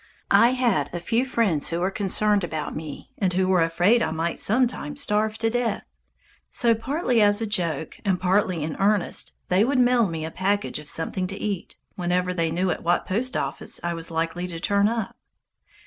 I had a few friends who were concerned about me, and who were afraid I might some time starve to death. So, partly as a joke and partly in earnest, they would mail me a package of something to eat, whenever they knew at what post office I was likely to turn up.